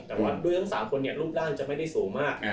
แต่ว่าด้วยทั้งสามคนเนี่ยรูปด้านจะไม่ได้สูงมาก